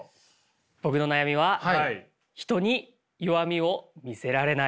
僕の悩みは人に弱みを見せられない。